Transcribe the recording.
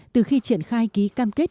từ khi triển khai ký cam kết